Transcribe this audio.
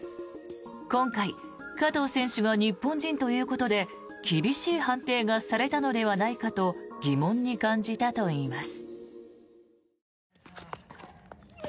今回、加藤選手が日本人ということで厳しい判定がされたのではないかと疑問に感じたといいます。